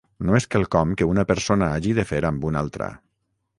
No és quelcom que una persona hagi de fer amb una altra.